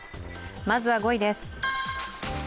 まずは５位です。